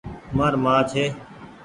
مآر مان ڇي۔